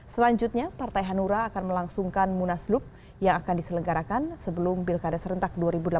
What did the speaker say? selanjutnya partai hanura akan melangsungkan munaslup yang akan diselenggarakan sebelum pilkada serentak dua ribu delapan belas